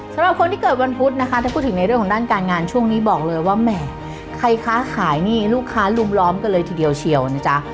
สำหรับคนที่เกิดวันพุธนะคะถ้าพูดถึงในเรื่องของด้านการงานช่วงนี้บอกเลยว่าแหมใครค้าขายนี่ลูกค้าลุมล้อมกันเลยทีเดียวเชียวนะจ๊ะ